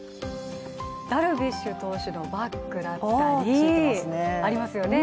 ダルビッシュ投手のバッグだったりありますよね。